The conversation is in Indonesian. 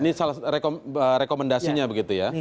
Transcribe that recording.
ini rekomendasinya begitu ya